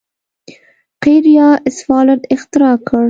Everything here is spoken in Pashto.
قیر یا سفالټ اختراع کړ.